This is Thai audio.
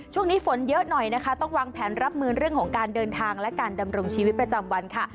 ช่วงนี้ฝนเยอะหน่อยนะคะต้องวางแผนรับมือเรื่องของการเดินทางและการดำรงชีวิตประจำวันค่ะ